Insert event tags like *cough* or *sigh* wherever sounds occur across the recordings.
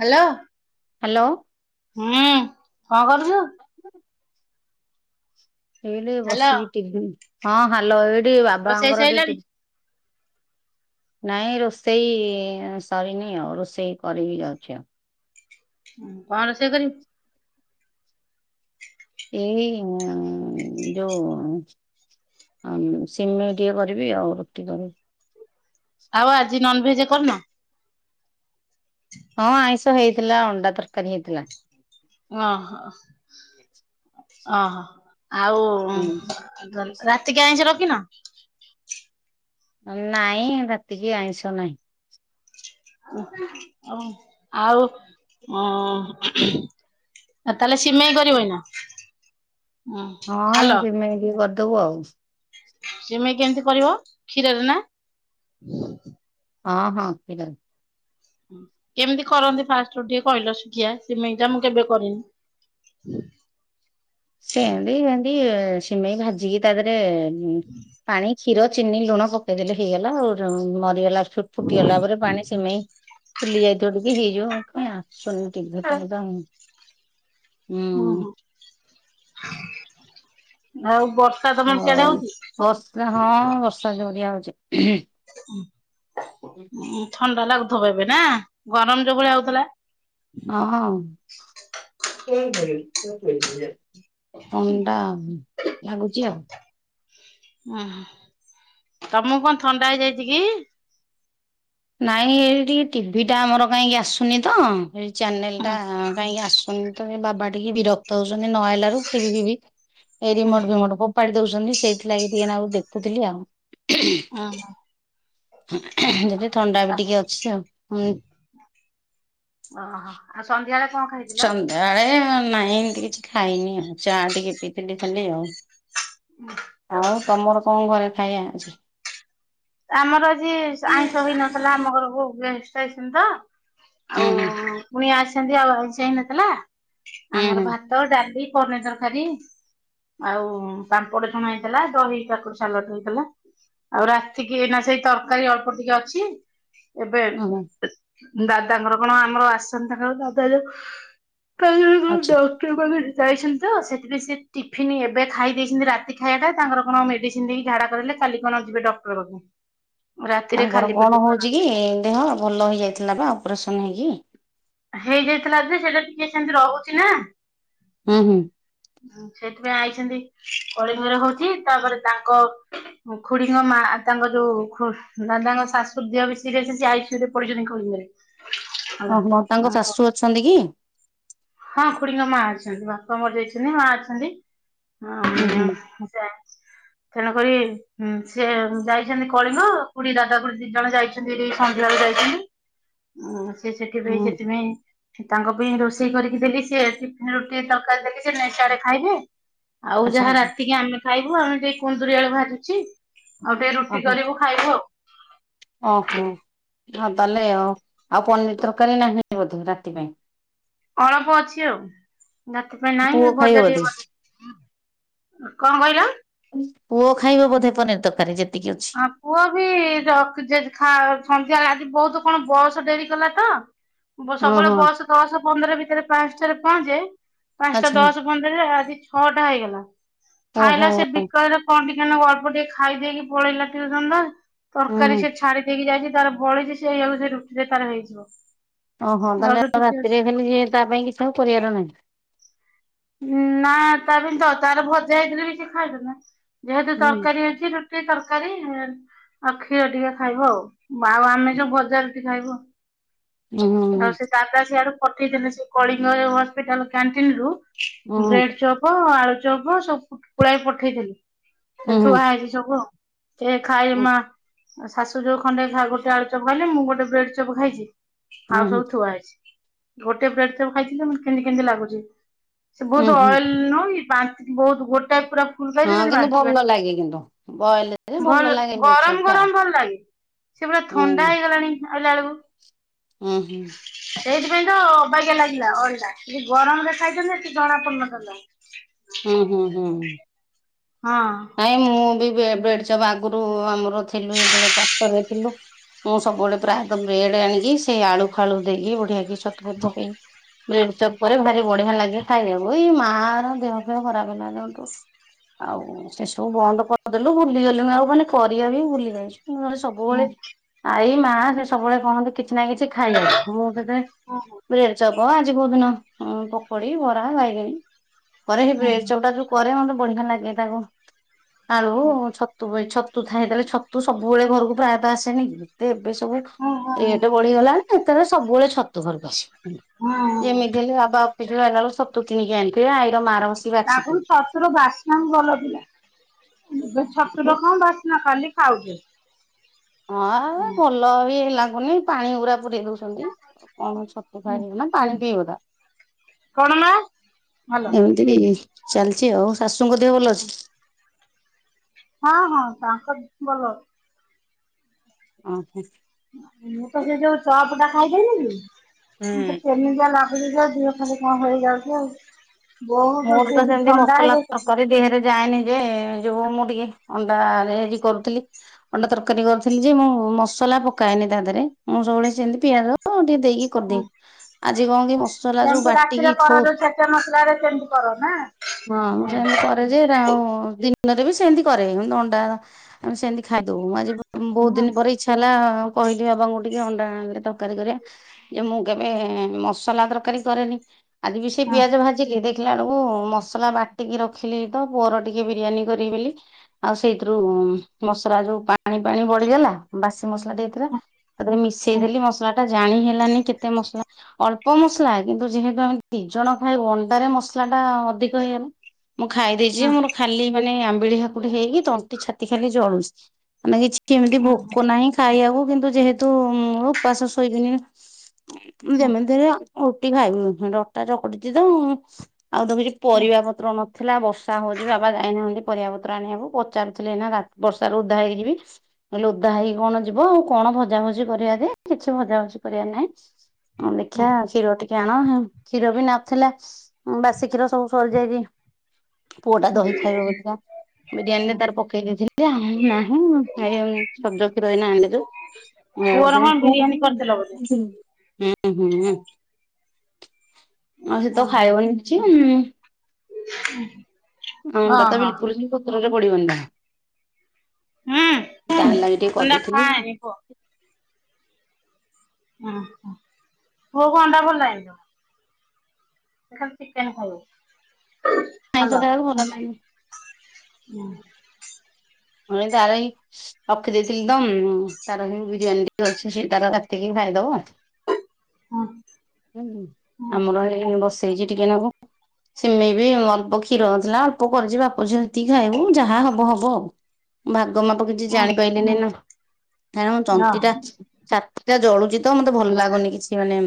Hello. Hello. ହୁଁ, କଣ କରୁଛୁ? *inaudible* ଏଇଠି ହ୍ୟାଲୋ ବସିକି ଟିଭି, ହଁ ହାଲୋ ଏଇଠି ରୋଷେଇ ବାବାଙ୍କର ଟିକେ ସଇଲାଣି? ଟିଭି ନାଇଁ ରୋଷେଇ ସରିନି ଅ, ଆଉ ରୋଷେଇ କରିବି ଯାଉଛି ଆଉ। କଣ ରୋଷେଇ କରିବୁ? ଏଇ ଅଁ, ଯୋଉ ଆଉ ସିମେଇ ଟିକେ କରିବି ଆଉ ରୁଟି କରିବି। ଆଉ ଆଜି ନନଭେଜ୍ କରିନ? ହଁ ଆଇଁଷ ହେଇଥିଲା ଅଣ୍ଡା ତରକାରୀ ହେଇଥିଲା। ଉଁହୋ, ଓହୋ, ଆଉ ଅଁ, ହୁଁ ତାଲ ରାତିକି ଆଇଁଷ ରଖିନ? ଅ, ନାଇଁ ରାତିକି ଆଇଁଷ ନାହିଁ। ଆଉ ଅଁ, ହଁ ଆ, ତାହେଲେ ସିମେଇ କରିବ ଏଇନା? ହଁ ହ୍ୟାଲୋ ସିମେଇ ଟିକିଏ କରିଦବୁ ଆଉ। ସିମେଇ କେମିତି କରିବ କ୍ଷୀରରେ ନା? ଅଁ, ହଁ କ୍ଷୀରରେ। ହୁଁ, କେମିତି କରନ୍ତି ଫାଷ୍ଟ ରୁ ଟିକେ କହିଲ ଶୁଖିଆ ସିମେଇଟା ମୁଁ କେବେ କରିନି। ହୁଁ *unintelligible* ସେମତି ସେମତି ଏ, ସିମେଇ ଭାଜିକି ତା ଦେହରେ ଉଁ, ପାଣି କ୍ଷୀର ଚିନି ଲୁଣ ପକେଇଦେଲେ ହେଇଗଲା ଆଉ, ଯୋଉଁ ମରିଗଲା ଫୁଟ ଫୁଟିଗଲା ପରେ ପାଣି ସିମେଇ ଫୁଲି ଯାଇଥିବ ଟିକେ ହେଇଯିବ। କାଇଁ ଆସୁନି ଟିଭି *inaudible* ଅଁ, ହଁ ଆଉ ବର୍ଷ ହଉ ବର୍ଷା ହଁ ବର୍ଷା ଜରିଆ ହଉଛି। ନା ଥଣ୍ଡା ଲାଗୁଥୁବ ଏବେ ନା? ଗରମ ଯୋଉ ଭଳିଆ ହଉଥିଲା। ଅଁ, ହଁ। ଥଣ୍ଡା ହୁଁ, ଲାଗୁଚି ଆଉ। ଓ ହଁ ତୋମକୁ କଣ ଥଣ୍ଡା ହେଇଯାଇଛି କି? ନାଇଁ ଏ ଟିକେ ଟିଭି ଟା ଆମର କାହିଁକି ଆସୁନି ତ ଏଇ ଚ୍ୟାନେଲ୍ ଉଁ ଟା କାହିଁକି ଆସୁନି। ତ ଏ ବାବା ଟିକେ ବିରକ୍ତ ହଉଛନ୍ତି ନ ଆଇଲାରୁ ଟିଭି ଫିଭି ଏ ହୁଁ ରିମୋର୍ଟ ଫିମଟ ଫୋ ପାଡି ଦଉଛନ୍ତି ସେଇଥିଲାଗି ଟିକେ ନାକୁ ଦେଖୁଥିଲି ଆଉ। ଅଁ, ହଁ। ମୋତେ ଥଣ୍ଡା ବି ଟିକେ ଅଛି ଆଉ, ପୁଣି ଓହୋ, ଆଉ ସନ୍ଧ୍ୟାବେଳେ କଣ ଖା ସନ୍ଧ୍ୟାବେଳେ ହଁ ନାଇଁ ଏମିତି କିଛି ଖାଇନି ଆଉ, ଚା ଟିକେ ପିଇଥିଲି ଖାଲି ଆଉ। ଆଉ ତୋମର କଣ ଘରେ ଖାଇବା ଅଛି? ଆମର ଆଜି ସ- ଆଇଁଷ ହେଇନଥିଲା ଆମ ଘରକୁ ଗେଷ୍ଟ ଆସଛନ୍ତି ତ। ହୁଁ ହୁଁ ଆଉ ପୁଣି ଆସସନ୍ତି ଆଉ ଆଇଁଷ ହେଇନଥିଲା। ହୁଁ ଆମର ହୁଁ ଭା ହଁ ଡାଲି, ପନିର୍ ତରକାରୀ ଆଉ ସାମ୍ପଡ ଛଣା ହେଇଥିଲା, ଦହି କାକୁଡି ସାଲଟ୍ ହେଇଥିଲା। ଆଉ ରା ଟିକେ ନା ସେଇ ତରକାରୀ ଅଳ୍ପ ଟିକେ ଅଛି। ଏବେ ହୁଁ ହୁଁ ଦାଦାଙ୍କର କଣ ଆମର, ଆସିଛନ୍ତି ତାଙ୍କର ଦାଦା ଯୋଉ ଅଛି। *unintelligible* କିଏ କହିବେ ଯାଇଛନ୍ତି ତ ସେଥିପାଇଁ ସେ ଟିଫନ୍ ଏବେ ଖାଇ ଦେଇେଇଛନ୍ତି ରାତି ଖାଇବାଟା ତାଙ୍କର କଣ ମେଡିସିନ୍ ପିନ୍ଧିକି ଝାଡ଼ା କରେଇଲେ କାଲି କଣ ଯିବେ ଡକ୍ଟର ପାଖକୁ। ରାତିରେ ତାଙ୍କର ଖାଲି କଣ ପେଟକୁ ହୋଉଛି କି ଦେହ? ଭଲ ହେଇଯାଇଥିଲା ବା ଅପରେସନ ହେଇକି। ହେଇଯାଇଥିଲା ଯେ ସେଇଟା ଟିକେ ସେମିତି ରହୁଛି ନା। ହୁଁ ହଁ। ହୁଁ ସେଥିପାଇଁ ଆଇଛନ୍ତି କଳିଙ୍ଗରେ ହୋଉ କି ତାପରେ ତାଙ୍କ ଖୁଡ଼ିଙ୍କ ମା ତାଙ୍କ ଯୋଉ ଖୁ ଦାଦାଙ୍କ ଶାଶୁ ଦେହ ବି ସିରେସ୍, ସେ ଆଇ ସି ଇଉ ରେ ପଡିଛନ୍ତି ଖୁଡ଼ି ଓହୋ ତାଙ୍କ ଶାଶୁ ଅଛନ୍ତି କି? ହଁ ଖୁଡିଙ୍ଗ ମା ଅଛନ୍ତି, ବାପା ମରିଯାଇଛନ୍ତି, ମା ଅଛନ୍ତି। ହଁ। ହୁଁ ହୁଁ। ସୋ *unintelligible* ତେଣୁକରିଁ ସେ ଯାଇଛନ୍ତି କଳିଙ୍ଗ ଖୁଡି ଦାଦା ଖୁଡୀ ଦି ଜଣ ଯାଇ ଏଠି ସନ୍ଧ୍ୟାବେଳୁ ଯାଇଛନ୍ତି। ସେ ସେଥିପାଇଁ ହୁଁ ସେଠି ନାଇଁ ତାଙ୍କ ପାଇଁ ରୋଷେ ରୋଷେଇ କରିକି ଦେଲି ସେ ଏଥି ରୁଟି ତରକାରୀ ଦେଲି ଯେ ନେଇ ସେଆଡ଼େ ଖାଇବେ। ଆଉ ଆଚ୍ଛା ଯାହା ଆଚ୍ଛା ରାତିକି ଆମେ ଖାଇବୁ, ଆମେ ଯାଇ କୁନ୍ଦୁରି ଆଳୁ ଭାଜୁଛି। ଆଉ ଟିକେ ରୁଟି ଓହୋ କରିବୁ ଖାଇବୁ ଆଉ। ଓହୋ। ହଁ ତାହେଲେ ଆଉ, ଆଉ ପନିର୍ ତରକାରୀ ନାହିଁ ବୋଧେ ରାତି ପାଇଁ? ଅଳପ ଅଛି ଆଉ। ଭାତ ପୁଅ ନାହିଁ ଖାଇବ ଭଜା ବୋଧେ? ଟିକେ ବସେଇ-କଣ କହିଲ? ପୁଅ ଖାଇବ ବୋଧେ ପନିର୍ ତରକାରୀ ଯେତିକି ଅଛି। ହଁ ପୁଅ ବି ଜ ଯେ ସନ୍ଧ୍ୟା ବେଳେ ଆଜି ବୋହୁତ୍ କଣ ବସ୍ ଡେରି କଲା ତ ବ ସବୁବେଳେ ଓହୋ ବସ୍ ଦଶ ପନ୍ଦର ଭିତରେ ପାଞ୍ଚଟାରେ ପହଁଞ୍ଚେ ପାଞ୍ଚଟା ଆଚ୍ଛା ଦଶ ପନ୍ଦରରେ ଆଜି ଛଅଟା ହେଇଗଲା। ଓହୋ ଆଇଲା ସେ କହିଲେ କଣ ଟିକେ ଅଳ୍ପ ଟିକେ ଖାଇଦେଇକି ପଳେଇଲା ଟିଉସନ ପା। ତରକାରୀ ହୁଁ ସେ ଛାଡି ଦେଇକି ଯାଇଛି ତାର ବଳିଛି, ସେଇଆ କୁ ସେ ରୁଟିରେ ତାର ହେଇଯିବ। ଓହୋ ତାହେଲେ ଆଉ ଟିକେ ଅଛି ରାତିରେ ଖାଲି ଯିଏ ତା ପାଇଁ କିଛି ଆଉ କରିବାର ନାହିଁ। ନା ତାର ଦରକାର ଭଜା ହେଇଥିଲେ ବି ସେ ଖାଇଦେବେ, ଯେହେତୁ ହୁଁ ତରକାରୀ ହୋଇଛି ରୁ ସେ ତରକାରୀ ଆଉ କ୍ଷୀର ଟିକେ ଖାଇବ। ମା ଆଉ ଆମେ ଯୋଉ ଭଜା ରୁଟି ଖାଇବୁ। ହୁଁ ହୁଁ ହୁଁ ହୁଁ। ଆଉ ସେ ଦାଦା ସିଆଡୁ ପଠେଇ ଛନ୍ତି ସେ କଳିଙ୍ଗ ହସ୍ପିଟାଲ କ୍ୟାଣ୍ଟିନ୍ ରୁ ବ୍ରେଡ୍ ଚପ୍ ଆଳୁଚପ ସବୁ ପୁଳାଏ ପଠେଇ ଛନ୍ତି, ଉଁ ସେ ହୁଁ ଥୁଆ ହେଇଛି ସବୁ ଆଉ। କିଏ ଖାଇମା ଶାଶୁ ଯୋଉ ଖଣ୍ଡେ ଖା ଗୋଟେ ଆଳୁଚପ୍ ଖାଇଲେ ମୁଁ ଗୋଟେ ବ୍ରେଡ୍ ଚପ୍ ଖାଇଛି, ହୁଁ ଆଉ ସବୁ ଥୁଆ ହେଇଛି। ଗୋଟେ ବ୍ରେଡ୍ ଚପ୍ ଖାଇଥିଲି ଯେ ମୋତେ କେମିତି କେମିତି ଲାଗୁଛି। ବୋହୁତ୍ ହୁଁ ଅଏଲ୍ ନୁହ କି ବା ବୋହୁତ୍ ଗୋଟାଏ ପୁରା ହଁ କିନ୍ତୁ ଭଲ *unintelligible* ଲାଗେ କିନ୍ତୁ ବଏଲ ରେ ଭଲ ଲାଗେ ମିକ୍ସଚର ଗରମ ଟା। ଗରମ ଭଲ ଲାଗେ। ସେ ପୁରା ହୁଁ ଥଣ୍ଡା ହେଇଗଲାଣି ଆଇଲା ବେଳକୁ। ହୁଁ ହୁଁ ସେଇଥିପାଇଁ ତ ଅବାଗିଆ ଲାଗିଲା କି ଗରମ ଦେଖାଇଥାନ୍ତେ କିଛି ଜଣା ପଡୁନଥାନ୍ତା। ହୁଁ ହୁଁ ହୁଁ ହୁଁ। ହଁ। ନାଇ ମୁଁ ବି ବେଡ୍ ଚବୁ ଆଗୁରୁ ଆମର ଥିଲୁ ଯେତେବେଳେ କ୍ୱାଟରରେ ଥିଲୁ ମୁଁ ସବୁବେଳେ ପ୍ରାୟତଃ ବ୍ରେଡ ଆଣିକି ସେ ଆଳୁ ଫାଳୁ ଦେଇକି ବଢିଆ କି ଛତୁ ଫତୁ ପକେଇକି ବ୍ରେଡଚପ୍ କରେ ଭାରି ବଢିଆ ଲାଗେ ଖାଇବାକୁ। ଏଇ ମାର ଦେହ ଫେହ ଖରାପ ହେଲା ଦିନଠୁ ଆଉ ଏ ସବୁ ବନ୍ଦ କରିଦେଲୁ ଭୁଲିଗଲି ଆଉ ମାନେ କରିବା ବି ଭୁଲିଗଲିଣି ସ ବୁବେଳେ ଆଇ ମା ସେ ସବୁବେଳେ କହନ୍ତି କିଛି ନା କିଛି ଖାଇବାକୁ ମୁଁ ସେଥିପାଇଁ ହଁ ହଁ ବ୍ରେଡ ଚପ ଆଜି କୋଉଦିନ ପୋକୁଡି ବରା ବାଇଗେଣି। କରେ ବ୍ରେଡ ତପଟା ଯୋଉ କରେ ମତେ ବଢିଆ ଲାଗେ ତାକୁ ଆଳୁ ଛତୁବାଇ ଛତ ଛତୁ ଥାଏ ଯେତେବେଲେ ଛତୁ ସବୁବେଳେ ଘରକୁ ପ୍ରାୟତଃ ଆସେନି। ତେ ଏବେ ସବୁ ରେଟ ବଢିଗଲା। ଏଥର ସବୁବେଳେ ଛତୁ ଘରକୁ ଆସଚି ଯେମିତି ହେଲେ ବାପା ଫିସ ରୁ ଆଇଲା ବେଳୁ ଛତୁ କିଣିକି ଆଣିଥିବେ ଆଇର ମା ଆଗୁରୁ ଛତୁର ବାସ୍ନା ବି ଭଲ ଥିଲା। ଏବଂ ଛତୁର କଣ ବାସ୍ ନା ଖାଲି ଖାଉଚେ। ହଁ ଭଲ ବି ଲାଗୁନି ପାଣି ଉରା ପୁରେଇ ଦଉ ଚନ୍ତି କଣ ଛତୁ ଖାଇମୁ ନା ପାଣି ପିଇବ ତା କଣ ନା ଦି ଚାଲିଚି ଆଉ ଶାଶୁଙ୍କ ଦେହ ଭଲ ଅଛି? ହଁ ହଁ ତାଙ୍କ ଭଲ ଅଛି। *unintelligible* ମୁଁ ତ ସେ ଯୋଉ ଚପଟା ଖାଇଦେଇଥିଲି ମତେ କେମିିତିଆ ଲା ଦିହ ଖାଲି କଣ ହେଇଯାଉଚି ଆଉ। ତା ଦିହରେ ଯାଏନି ଯେ ଯୋଉ ମୁଁ ଟିକେ ଅଣ୍ଡାରେ ଆଜି କରୁଥିଲି ଅଣ୍ଡା ତରକାରୀ କରୁଥିଲି ଯେ ମୁଁ ମସଲା ପକାଏନି ତା ଦେହରେ ମୁଁ ସବୁବେଳେ ସେମତି ପିଆଜ ଟିକେ ଦେଇକି କରିଦେଇ ଆଜି କଣ କି ମସଲା ଯୋଉ ବାଟିକି ଥୋଉ ନା ମସଲାରେ କେମିତି କର ହାଁ? ଯେମିତି ଫର୍ ଯେ ଏରା ଆଉ ଦିନରେ ବି ସେମତି କରେ ନ୍ତୁ ଅଣ୍ଡା ଓରା ଆମେ ସେମିତି ଖାଇଦୋଉ। ଆଜି ବୋହୁତ ଦିନ ପରେ ଇଚ୍ଛା ହେଲା କହିଲି ବାବାଙ୍କୁ ଟିକେ ଅଣ୍ଡା ଆଣିଲେ ତରକାରୀ କରିବା ଯେ ମୁଁ କେବେ ମସଲା ତରକାରୀ କରେନି ଆଜି ବି ସେ ପିଆଜ ଭାଜି ଯେ ଦେଖିଲା ବେଳକୁ ମସଲା ବାଟିକି ରଖିଲି ତ ପୁଅର ଟିକେ ବିରିୟାନୀ କରିବି ବୋଲି। ଆଉ ସେଇଥିରୁ ମସଲା ଯୋଉ ପାଣି ପାଣି ବଢିଗଲା ବାସି ମସଲା ଟିକେ ଥିଲା ତାକୁ ଟିକେ ମିଶେଇ ଦେଲି ମସଲା ଟା ଜାଣି ହେଲାନି କେତେ ମସଲା ଅଳ୍ପ ମସଲା କିନ୍ତୁ ଯେହେତୁ ଆମେ ଦି ଜଣ ଖାଇବୁ ଅଣ୍ଡାରେ ମସ ଟା ଅଧିକ ହେଇଗଲା ମୁଁ ଖାଇ ଦେଇେଇଚି ମୋର ଖାଲି ମାନେ ଆମ୍ବିଳି ହାକ ଖୁଡି ହେଇକି ତଣ୍ଟି ଛାତି ଖାଲି ଜଳୁଚି ମାନେ କିଛ କେମିତି ଭୋକ ନାହିଁ ଖାଇବାକୁ କିନ୍ତୁ ଯେହେତୁ ଉଁ ଓପାସ ଶୋଇବିନି ଯେମିତି ରେ ରୁଟି ଖାଇବୁ ଡଟା ଚକଟିଚି ତ ଆଉ ତ କିଛି ପରିବା ପତ୍ର ନ ଥିଲା ବର୍ଷା ହୋଉଚି ବାବା ଯାଇନାହାନ୍ତି ପରିବାପତ୍ର ଆଣିବାକୁ ପଚାରୁଥିଲେ ଏଇନା ରାତ୍ ବର୍ଷାରୁ ଉଦା ହୋଇକି ଯିବି। ଲି ଓଦା ହେଇକି କଣ ଯିବ ଆଉ କଣ ଭଜାଭଜି କରିବା ଯେ କିଛି ଭଜାଭଜି କରିବାର ନାଇଁ ହଁ ଦେଖିବା କ୍ଷୀର ଟିକେ ଆଣ କ୍ଷୀର ବି ନଥିଲା ବାସି କ୍ଷୀର ସବୁ ସରିଯାଇଚି ପୁଅ ଟା ଦହି ଖାଇବ ବୋଲି କା ବିରିୟାନୀରେ ତାର ପକେଇ ଦେଇଥିଲି ଆଉ ନାହିଁ ଏ ସଜ କ୍ଷୀର ଏଇନା ଆଣିଲେ ଯୋଉ *unintelligible* ହୁଁ ପୁଅର କଣ ହୁଁ ବିରିୟାନୀ କରିଥିଲ ବୋଧେ? ହୁଁ ଆଉ ସେ ତ ଖାଇବନି କିଛି। ଉଁ *inaudible* ଅଣ୍ଡା ତ ଓହୋ ବିଲକୁଲ୍ ହିଁ ପତ୍ରରେ ପଡିିବନି ତାର। ହୁଁ ତାହାର ଲାଗି ଟିକେ ଅଣ୍ଡା କରିଦେଇଥିଲି କି? ଖାଏନି ପୁଅ। ଓହୋ ପୁଅକୁ ଅଣ୍ଡା ଭଲ ଲାଗେନି ଜମା? ଖାଲି ଚିକେନ ଖାଇବ। ଆଇଁଷ ଖାଇବାକୁ ଭଲ ଲାଗେନି? ନା। ହଁ ଏଇ ତା ନାଗି ରଖି ଦେଇେଥିଲି ଦମ ତାର ସେଇ ବିରିୟାନୀ ଟିକେ ଅଛି ସିଏ ତାର ରାତିକି ଖାଇଦବ। ହୁଁ ଆମର ଏ ବସେଇଚି ଟିକେ ନାକୁ। ସିମେଇ ବି ଅଳ୍ପ କ୍ଷୀର ନଥିଲା ଅଳ୍ପ କରିଚି ବାପ ଝିଅ ସେମତିକି ଖାଇବୁ ଯାହା ହବ ହବ ଆଉ। ଭାଗ ମାପ କିଛି ଜାଣିପାରିଲିନି ନା କାରଣ ଚନ୍ତିଟା ହ୍ୟାଲୋ। ଛାତିଟା ଜଳୁଚି ତ ମତେ ଭଲ ଲାଗୁନି କିଛି ମାନେ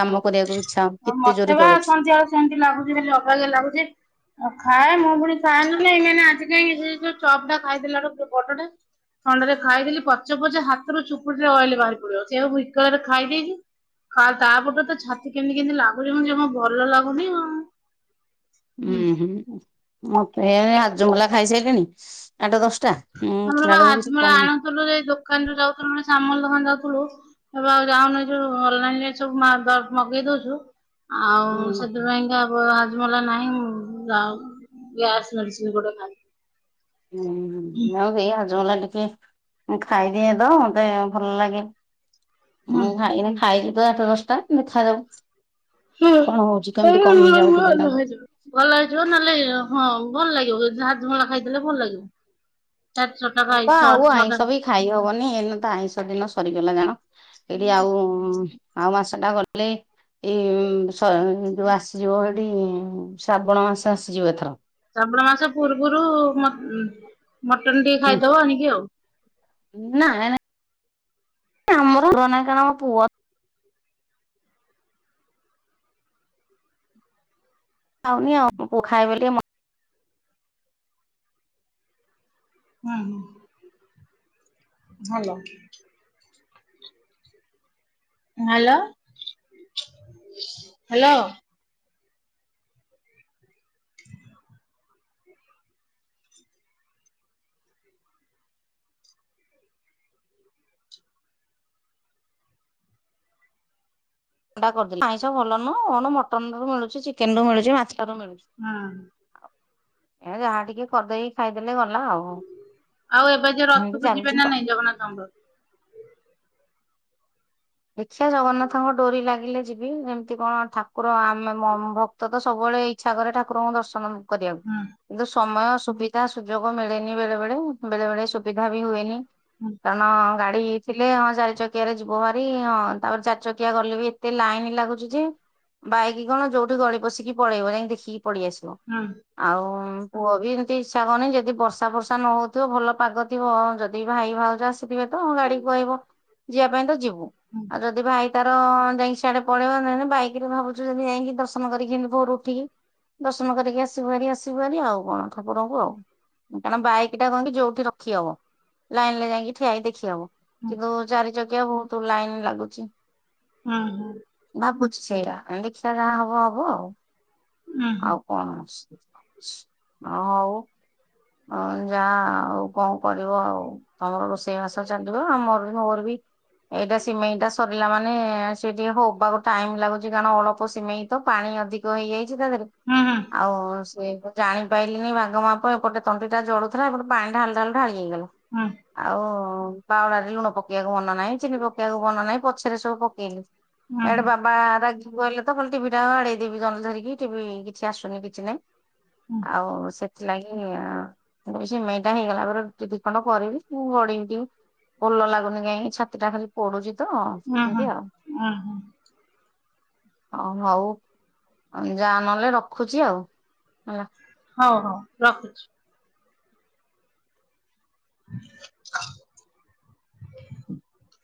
କାମ କରିବାକୁ ଇଚ୍ଛା ହୋଉ ଆଉ କେତେ ମତେ ଜୋରେ ବା ଜଳୁଚି। ସନ୍ଧ୍ୟା ବେଳୁ ସେମିତି ଲାଗୁଚି ବୋଲି ଅବାଗିଆ ଲାଗୁଚି। ଆଉ ଖାଏ ମୁଁ ପୁଣି ଖାଏନ ନା ନାହିଁ ମାନେ ଆଜି କାଇଁ ସେଇ ଯୋଉ ଚପ୍ ଟା ଖାଇଥିଲାରଠୁ ପୁ ବଡ଼ଟେ ଥଣ୍ଡାରେ ଖାଇଦେଲି ପଚେ ପଚେ ହାତରୁ ଚୁପୁଡିରେ ଅଏଲ୍ ବାହାରି ପଡିବ ସେବୁ ବିକଳରେ ଖାଇଦେଇକି କା ତାପରଠୁ ତ ଛାତି କେମିତି କେମିତି ଲାଗୁଚି ମତେ ଜମା ଭଲ ଲାଗୁନି ଆଉ। ଉୁଁ ହୁଁ ମତେ ରାଜମୂଲା ଖାଇସାଇଲିଣି ଆଠ ଦଶଟା। ମୁଁ ଉଠିଲାବେଳକୁ କିଛି କୋହୁନି। ଥିଲୁ ଏଇ ଯୋଉ ଦୋକାନ ଯୋଉ ଯାଉଥିଲୁ ନା ସାମଲ୍ ଦୋକାନ ଯାଉଥିଲୁ ଏବେ ଆଉ ଯାଉନି ଏଇ ଯୋଉ ଅନଲାଇନ ରେ ସବୁ *unintelligible* ମଗେଇ ଦୋଉଚୁ। ଆଉ ହୁଁ ସେଥିପାଇଁକା ତ ହଜମୁଲା ନାହିଁ ମୁଁ ଯାଉ ଗ୍ୟାସ୍ ମେଡିସିନ ଗୋଟେ ଖାଇବି। ହୁଁ ଆଉ ବେଇ ହଜମୁଲା ଟିକେ ଖାଇଦିଏ ତ ମତେ ଭଲ ଲାଗେ ହୁଁ ଖାଇକିଁ ନା ଖା ଖାଇବୁ ତ ଆଠ ଦଶଟା ଦେଖାଯାଉ। ହୁଁ କଣ *unintelligible* ହଉଛି କେମିତି ଭଲ କମିଯାଉ ଟିକେ ତାକୁ ଯିବ। ଭଲ ହେଇଯିବ ନହେଲେ ହଁ ଭଲ ଲାଗିବ ହାଜମୁଲା ଖାଇଦେଲେ ଭଲ ଲାଗିବ। ତାର ଛୋଟ ଭାଇ ଛଅ ଛଅ ଟା ଖାଇହବନି ଏଇ ନା ତ ଆଇଁଷହ ଦିନ ସରିଗଲା ଜାଣ ଏଠି ଆଉ। ଆଉ ମାସ ଟା ଗଲେ ଏଇ ସ ଯୋଉ ଆସିଯିବ ଏଟି ଶ୍ରାବଣ ମାସ ଆସିଯିବ ଏଥର। ଶ୍ରାବଣ ମାସ ପୂର୍ବରୁ ମତ୍ ମଟନ ଟିକେ ଖାଇଦବ ଆଣିକି ଆଉ। ନା ହେଣେ ତ୍ର ନାହିଁ କାହିଁକିନା ଆମ ପୁଅ ପାଉନି ଆଉ ମୁଁ ଖାଏ ବୋଲି ଟିକେ ମ ୱା ହୁଁ। ଭଲ। Hello hello. ଅଣ୍ଡା କରିଦେଲି। ଆଇଁଷ ଭଲ ନୁହଁ କଣ ମଟନ ରୁ ମିଳୁଚି ଚିକେନ ରୁ ମିଳୁଚି ମାସଲ ର ମିଳୁଚି। ହୁଁ। ଏ ଯାହା ଟିକେ କରିଦେଇକି ଖାଇଦେଲେ ଗଲା ଆଉ। ଆଉ ଏବେ ଯୋଉ ଏମିତି ରଥକୁ ଚାଲିଛି ଯିବେ ତ। ନା ନାଇ ଜଗନ୍ନାଥଙ୍କ ପାଖକୁ? ଦେଖିିବା ଜଗନ୍ନାଥଙ୍କ ଡୋରି ଲାଗିଲେ ଯିବି। ସେମିତି କଣ ଠାକୁର ଆମେ ମୋ ଭ ତ ସବୁବେଳେ ଇଚ୍ଛା କରେ ଠାକୁରଙ୍କୁ ଦର୍ଶନ କରିବାକୁ। ହୁଁ। କିନ୍ତୁ ସମୟ ସୁବିଧା ସୁଯୋଗ ମିଳେନି ବେଳେ ବେଳେ ବେଳେ ବେଳେ ସୁବିଧା ବି ହୁଏନି। ହୁଁ କାରଣ ଗାଡି ଥିଲେ ହଁ ଚାରି ଚକିଆରେ ଯିବ ଭ ହଁ ତାପରେ ଚାରଚକିଆ ଗଲେ ବି ଏତେ ଲାଇନ୍ ଲାଗୁଚ ଯେ ବାଇକି କଣ ଯୋଉଠି ଗଳି ପଶିକି ପଳେଇବ ଯାଇକି ଦେଖିକି ପଳେଇ ଆସିବ। ହୁଁ। ଆଉ ପୁଅ ବି ଏମିତି ଇଚଛା ହୁନି ଯଦି ବର୍ଷା ଫର୍ଷା ନ ହୋଉଥିବ ଭଲ ପାଗ ଥିବ ଯଦି ଭାଇ ଭାଉଜ ଆସିଥିବେ ତ ଗାଡି କୁଆହିବ ଯିବା ପାଇଁ ତ ଯିବୁ। ହୁଁ ଆଉ ଯଦି ଭାଇ ତାର ଯାଇକିସିଆଡେ ପଳେଇବ ନଲେ ବାଇକ ରେ ଭାବୁଚୁ ଯେମିତି ଯାଇକି ଦର୍ଶନ କରିକିମିତି ଭୋରୁ ଉଠିକି। ଦର୍ଶନ କରିକି ଆସିବୁହାରି ଆସିବୁହାରି ଆଉ କଣ ଠାକୁରଙ୍କୁ ଆଉ। କାରଣ ବାଇକି ଟା କଣ କିି ଯୋଉଠି ରଖି ହବ ଲାଇନ ରେ ଯାଇକି ଠିଆଇ ଦେଖି ହବ। ହୁଁ କିନ୍ତୁ ଚାରି ଚକିଆ ବୋହୁତ ଲାଇନ ଲାଗୁଚି। ହୁଁ ହୁଁ ଭାବୁଛି ସେଇରା ଦେଖିବା ଯାହା ହବ ହବ ଆଉ। ହୁଁ ଆଉ କଣ ଅସୁବିଧା ଅଛି ହଁ ହଉ। ହଁ ଯା ଆଉ କଣ କରିବ ଆଉ। ତମର ରୋଷେଇ ବାଷ ଚାଲିବ ଆମର ବି ମୋର ବି ଏଇଟା ସିମେଇ ଟା ସରିଲା ମାନେ ସେ ଟିକେ ହବାକୁ ଟାଇମ୍ ଲାଗୁଚି କାରଣ ଅଳ୍ପ ସିମେଇ ତ ପାଣି ଅଧିକ ତ ହେଇଯାଇଚି ତା ଦେହରେ ହୁଁ ହୁଁ ହୁଁ ହୁଁ ହୁଁ ଆଉ ସିଏ ଜାଣିପାରିଲନି ଭାଗ ମାପ ଏପଟେ ତଣ୍ଟି ଟା ଜଳୁଥିଲା ଏପଟେ ପାଣି ଢାଳୁ ଢାଳୁ ଢାଳି ହେଇଗଲା। ହଁ। ଆଉ ବାଉଳେରେ ଲୁଣ ପକେଇବାକୁ ମନେ ନାହିଁ ଚିନି ପକେଇବାକୁ ମନେ ନାହିଁ ପଛରେ ସବୁ ପକେଇଲି। ହୁଁ ହୁଁ ହୁଁ ଇଆଡେ ବାବା ରାଗି ଗଲେତ କହିଲେ ତ ଟିଭି ଟାକୁ ବାଡେଇଦେବି ଜଲ ଧରିକି ଟିଭି କିଛି ଆସୁନି କିଛି ନାଇଁ। ହୁଁ ଆଉ ସେଥିଲାଗି ସେମଇଟା ହେଇଗଲା ପରେ ରୁଟି ଦଇ ଖଣ୍ଡ କରିବି ମୁଁ ଗଡିଇବି ଟିକେ। ଭଲ ଲାଗୁନି କାଇଁ ଛାତି ଟା ଖାଲି ପଡୁଚି ତ ଏମିତି ଆଉ। *inaudible* ଓ ହୋଉ ଯା ନହେଲେ ରଖୁଚି ଆଉ ହେଲା। ହୋଉ ହୋଉ ରଖୁଚି। *inaudible*